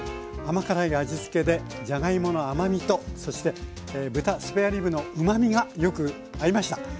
甘辛い味付けでじゃがいもの甘みとそして豚スペアリブのうまみがよく合いました。